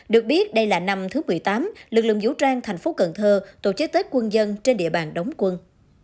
được biết đây là năm thứ một mươi tám lực lượng vũ trang thành phố cần thơ tổ chức tết quân dân trên địa bàn đóng quân